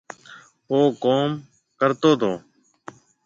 او ڪوم ڪرتو تو